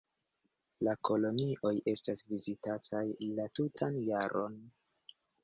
La kolonioj estas vizitataj la tutan jaron.